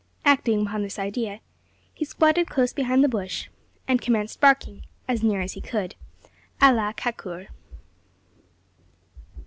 Acting upon this idea, he squatted close behind the bush, and commenced barking, as near as he could, a la kakur.